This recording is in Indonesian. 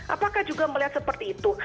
apakah juga melihat seperti itu